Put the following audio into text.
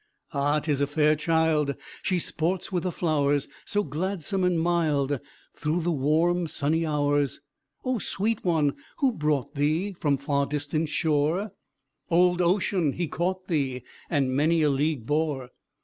Ah, 'tis a fair child! She sports with the flowers, So gladsome and mild, Through the warm sunny hours O sweet one, who brought thee? From far distant shore Old Ocean he caught thee, And many a league bore.